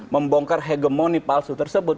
membongkar hegemoni palsu tersebut